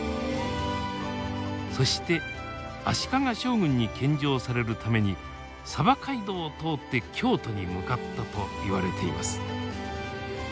そして足利将軍に献上されるために街道を通って京都に向かったといわれています。